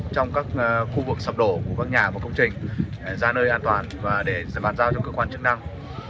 trong các khu vực sập đổ của các nhà và công trình ra nơi an toàn và để bàn giao cho cơ quan chức năng